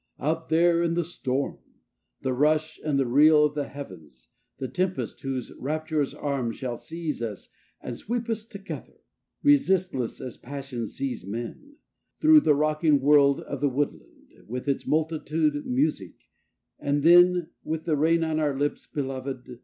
out there in the storm! The rush and the reel of the heavens, the tempest, whose rapturous arm Shall seize us and sweep us together, resistless as passions seize men, Through the rocking world of the woodland, with its multitude music, and then, With the rain on our lips, belovéd!